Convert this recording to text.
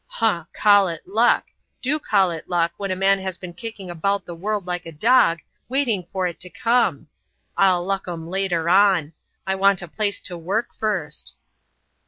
"Huh! call it luck! Do call it luck, when a man has been kicking about the world like a dog, waiting for it to come! I'll luck 'em later on. I want a place to work first."